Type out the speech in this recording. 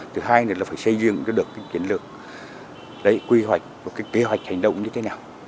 thứ hai là phải xây dựng cho được kiến lược quy hoạch kế hoạch hành động như thế nào